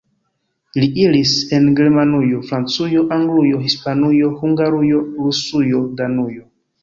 Li iris en Germanujo, Francujo, Anglujo, Hispanujo, Hungarujo, Rusujo, Danujo.